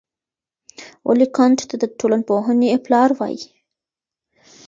ولي کنت ته د ټولنپوهنې پلار وايي؟